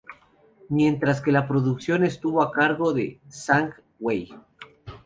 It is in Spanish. Mientras que la producción estuvo a cargo de Zhang Wei.